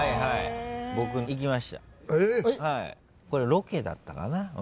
ロケだったかな。